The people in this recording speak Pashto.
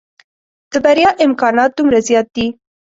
د بريا امکانات دومره زيات دي.